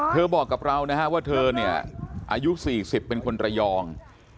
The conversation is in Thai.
เธอบอกกับเรานะว่าเธออายุ๔๐เป็นคนไตรอง